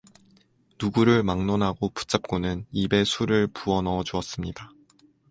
누구를 막론하고 붙잡고는 입에 술을 부어 넣어 주었습니다.